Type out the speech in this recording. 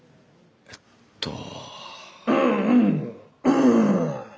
えっと。